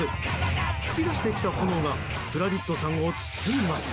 噴き出してきた炎がプラディットさんを包みます。